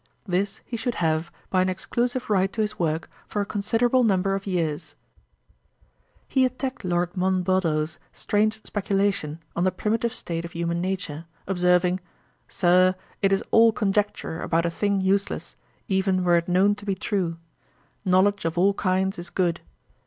This he should have by an exclusive right to his work for a considerable number of years.' He attacked Lord Monboddo's strange speculation on the primitive state of human nature; observing, 'Sir, it is all conjecture about a thing useless, even were it known to be true. Knowledge of all kinds is good.